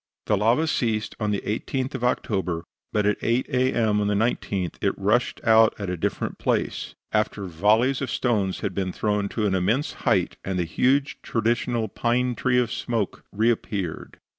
The lava ceased on the 18th of October, but at 8 A. M. on the 19th it rushed out at a different place, after volleys of stones had been thrown to an immense height, and the huge traditional pine tree of smoke reappeared.